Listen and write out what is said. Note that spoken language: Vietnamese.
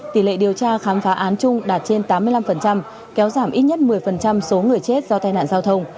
tỷ lệ điều tra khám phá án chung đạt trên tám mươi năm kéo giảm ít nhất một mươi số người chết do tai nạn giao thông